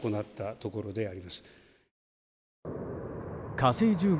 「火星１５」